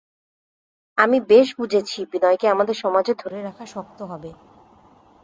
আমি বেশ বুঝেছি বিনয়কে আমাদের সমাজে ধরে রাখা শক্ত হবে।